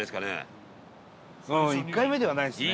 伊達：１回目ではないですね。